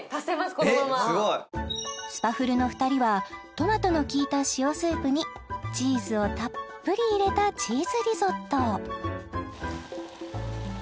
このままえっすごいスパフルの２人はトマトのきいた塩スープにチーズをたっぷり入れたうん！